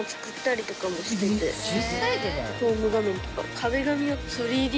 ホーム画面とか。